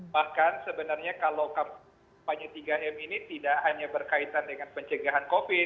bahkan sebenarnya kalau kampanye tiga m ini tidak hanya berkaitan dengan pencegahan covid